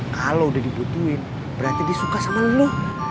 kalau udah dibutuhin berarti dia suka sama lo